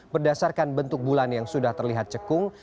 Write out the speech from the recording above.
berdasarkan bentuk bulan yang sudah terlihat cekung